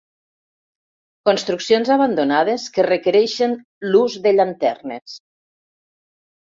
Construccions abandonades que requereixen l'ús de llanternes.